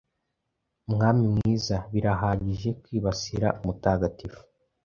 Mwami mwiza, birahagije kwibasira umutagatifu